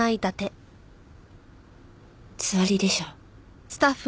つわりでしょ。